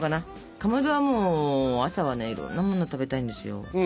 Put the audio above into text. かまどはもう朝はいろんなものが食べたいんですよ。